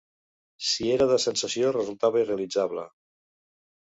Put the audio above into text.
Si era de sensació resultava irrealitzable